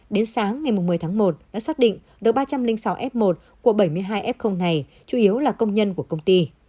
đến sáng ngày một mươi tháng một đã xác định độ ba trăm linh sáu f một của bảy mươi hai f này chủ yếu là công nhân của công ty